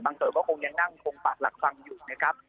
เกิดก็คงยังนั่งคงปากหลักฟังอยู่นะครับ